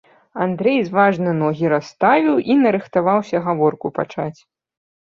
Андрэй зважна ногі расставіў і нарыхтаваўся гаворку пачаць.